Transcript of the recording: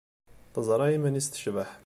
Teẓra iman-nnes tecbeḥ.